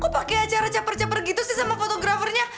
kok pake acara caper caper gitu sih sama fotografernya